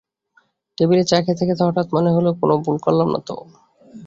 টেবিলে চা খেতে খেতে, হঠাৎ মনে হল কোন ভুল করলাম না তো!